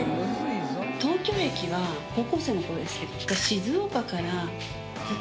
東京駅は高校生の頃ですけど。